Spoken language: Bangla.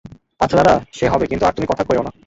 আচ্ছা দাদা, সে হবে, কিন্তু আর তুমি কথা কোয়ো না।